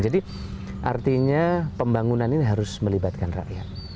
artinya pembangunan ini harus melibatkan rakyat